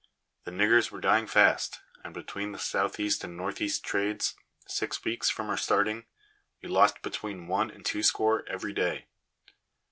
The niggers were dying fast, and between the south east and north east trades, six weeks from our starting, we lost between one and two score every day.